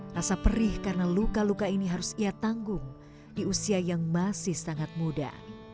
rasa perih karena luka luka ini harus ia tanggung di usia yang masih sangat muda